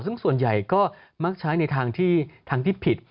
ซึ่งส่วนใหญ่ก็มักใช้ในทางที่ผิด